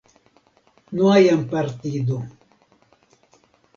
no hayan partido